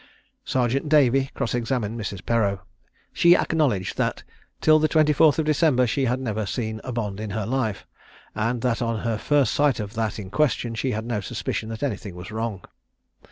Sergeant Davy cross examined Mrs. Perreau. She acknowledged that till the 24th of December she had never seen a bond in her life; and that on her first sight of that in question she had no suspicion that anything was wrong.